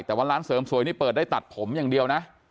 แต่ว่าร้านเสริมสวยนี่เปิดได้ตัดผมอย่างเดียวนะ